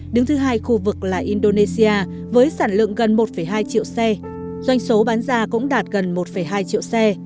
đứng thứ hai khu vực là indonesia với sản lượng gần một hai triệu xe doanh số bán ra cũng đạt gần một hai triệu xe